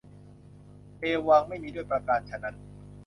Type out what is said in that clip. เอวัง ไม่มีด้วยประการฉะนั้น